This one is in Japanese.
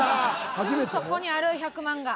すぐそこにある１００万が。